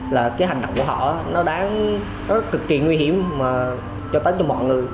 là cái hành động của họ nó đáng nó cực kỳ nguy hiểm mà cho tất cho mọi người